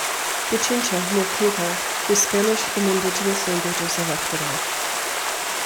Pichincha, near Quito, with Spanish and indigenous languages of Ecuador.